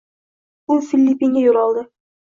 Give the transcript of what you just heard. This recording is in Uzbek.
U Filippinga yoʻl oldi.